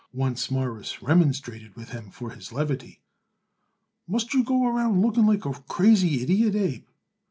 Once Morris remonstrated with him for his levity. "Must you go around looking like a crazy idiot, Abe?"